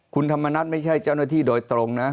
คุณธรรมนัฐไม่ใช่เจ้าหน้าที่โดยตรงนะ